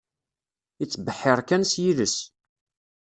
Ittbeḥḥiṛ kan s yiles.